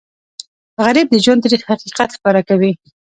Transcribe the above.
غریب د ژوند تریخ حقیقت ښکاره کوي